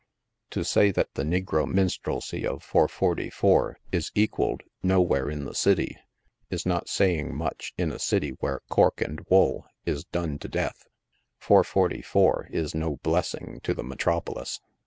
To say that the negro minstrelsy of 444 is equalled nowhere in the city, is not saying much in a city where cork and wool is done to deaih. 444 is no blessing to the metropolis.